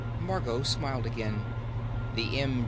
Margot smiled again. "The m.